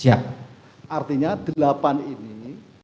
artinya delapan ini